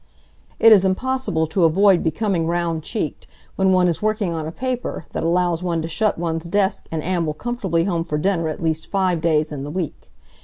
It is impossible to avoid becoming round cheeked when one is working on a paper that allows one to shut one's desk and amble comfortably home for dinner at least five days in the week.